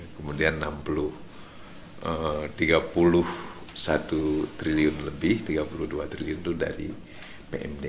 kemudian rp tiga puluh satu triliun lebih rp tiga puluh dua triliun itu dari pmd